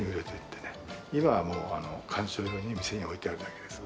今は鑑賞用に店に置いてあるだけです。